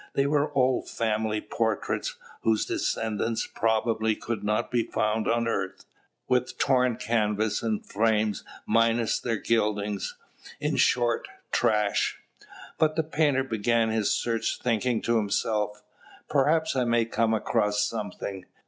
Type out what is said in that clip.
There were old family portraits, whose descendants, probably could not be found on earth; with torn canvas and frames minus their gilding; in short, trash. But the painter began his search, thinking to himself, "Perhaps I may come across something."